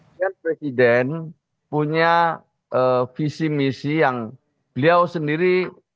dan presiden punya visi misi yang beliau sendiri